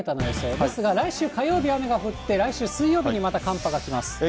ですが来週火曜日に雨が降って、来週水曜日にまた寒波が来ます。